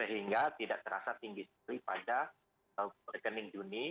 sehingga tidak terasa tinggi sekali pada rekening juni